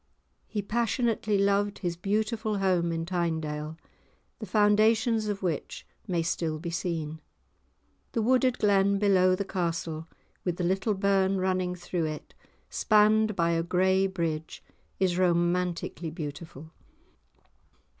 He passionately loved his beautiful home in Tynedale, the foundations of which may still be seen. The wooded glen below the castle, with the little burn running through it, spanned by a grey bridge is romantically beautiful.